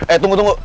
eh tunggu tunggu